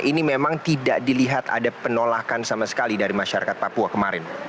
ini memang tidak dilihat ada penolakan sama sekali dari masyarakat papua kemarin